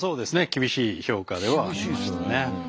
厳しい評価ではありましたね。